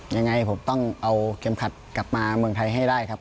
ยังไงผมต้องเอาเข็มขัดกลับมาเมืองไทยให้ได้ครับ